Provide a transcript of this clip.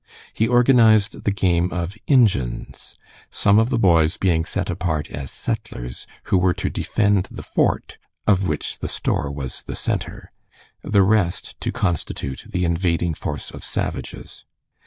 He organized the game of "Injuns," some of the boys being set apart as settlers who were to defend the fort, of which the store was the center, the rest to constitute the invading force of savages.